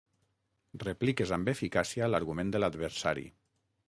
Repliques amb eficàcia l'argument de l'adversari.